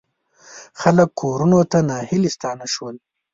خلک کورونو ته ناهیلي ستانه شول.